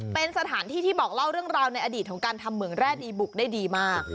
เป็นสถานที่ที่บอกเล่าเรื่องราวในอดีตของการทำเหมืองแร่ดีบุกได้ดีมาก